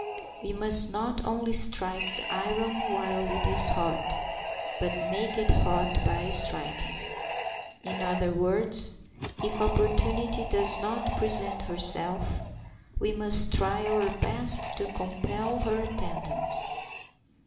We must not only strike the iron while it is hot, but make it hot by striking. In other words, if opportunity does not present herself we must try our best to compel her attendance.